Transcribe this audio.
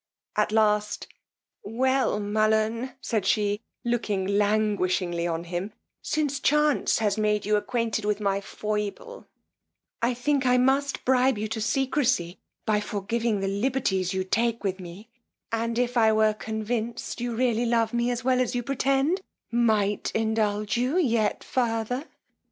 At last, Well, Mullern, said she, looking languishingly on him, since chance has made you acquainted with my foible, I think I must bribe you to secrecy, by forgiving the liberties you take with me: and if I were convinced you really love me as well as you pretend, might indulge you yet farther.